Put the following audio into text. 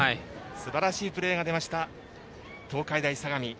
すばらしいプレーが出ました東海大相模。